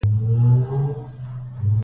فاریاب د افغانانو ژوند اغېزمن کوي.